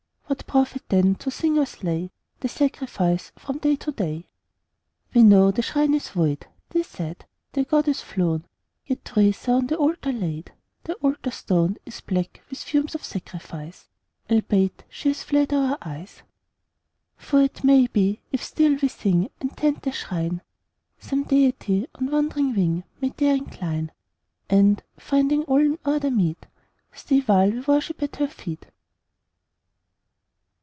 What profit, then, to sing or slay The sacrifice from day to day? "We know the Shrine is void," they said, "The Goddess flown Yet wreaths are on the Altar laid The Altar Stone Is black with fumes of sacrifice, Albeit She has fled our eyes. "For it may be, if still we sing And tend the Shrine, Some Deity on wandering wing May there incline; And, finding all in order meet, Stay while we worship at Her feet."